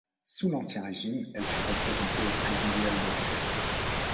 Sous l'Ancien Régime elle fut représentée au présidial de Rodez.